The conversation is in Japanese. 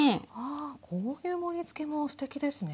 あこういう盛りつけもすてきですね。